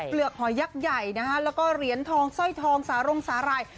เหลือกหอยยักษ์ใหญ่นะฮะแล้วก็เหรียญทองสร้อยทองสารงสาหร่าย